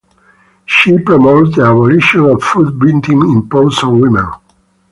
She promoted the abolition of foot binding imposed on women.